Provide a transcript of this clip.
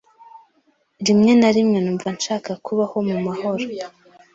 Rimwe na rimwe numva nshaka kubaho mu mahoro.